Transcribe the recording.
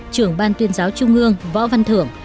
trưởng ban tuyên giáo trung ương võ văn thưởng